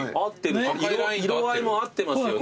色合いも合ってますよね。